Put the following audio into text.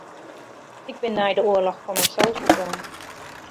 Ik bin nei de oarloch foar mysels begûn.